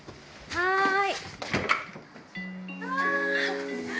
はい！